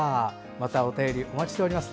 またお便りお待ちしております。